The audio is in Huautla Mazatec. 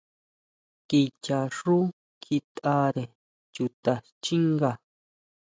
Kicha xú kjitʼare chuta xchínga.